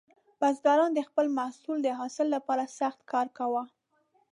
بزګران د خپل محصول د حاصل لپاره سخت کار کاوه.